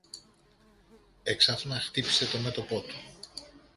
Έξαφνα χτύπησε το μέτωπο του